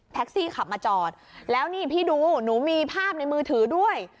ซี่ขับมาจอดแล้วนี่พี่ดูหนูมีภาพในมือถือด้วย